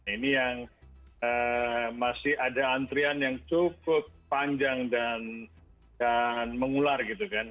ini yang masih ada antrian yang cukup panjang dan mengular gitu kan